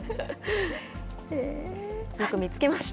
よく見つけました。